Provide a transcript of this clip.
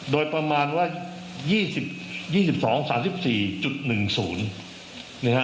โดยประมาณว่า๒๒๓๔๑๐นะฮะ